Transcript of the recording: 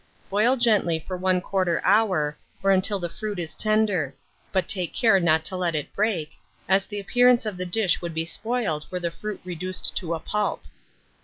Boil gently for 1/4 hour, or until the fruit is tender; but take care not to let it break, as the appearance of the dish would be spoiled were the fruit reduced to a pulp.